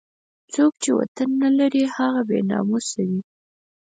څوک چې وطن نه لري هغه بې ناموسه وي.